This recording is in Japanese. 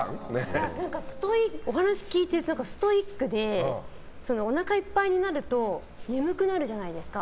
お話聞いているとストイックでおなかいっぱいになると眠くなるじゃないですか。